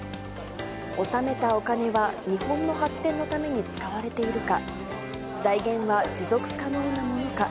納めたお金は日本の発展のために使われているか、財源は持続可能なものか。